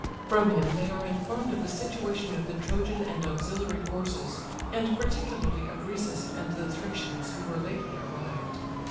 From him they are informed of the situation of the Trojan and auxiliary forces, and particularly of Rhesus, and the Thracians who were lately arrived.